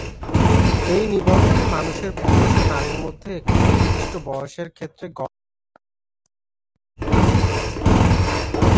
এই নিবন্ধে মানুষের পুরুষ ও নারীর মধ্যে একটি নির্দিষ্ট বয়সের ক্ষেত্রে গড়পড়তা পার্থক্যের দিকে আলোকপাত করেছে।